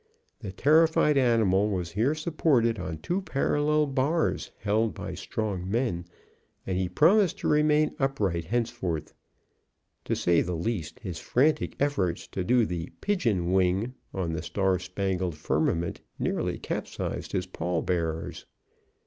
The terrified animal was here supported on two parallel bars held by strong men; and he promised to remain upright henceforth. To say the least, his frantic efforts to do the "pigeon wing" on the star spangled firmament nearly capsized his pall bearers.